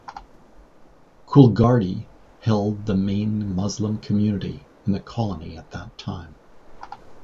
Coolgardie held the main Muslim community in the colony at that time.